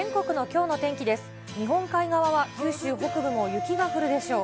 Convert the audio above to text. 日本海側は九州北部も雪が降るでしょう。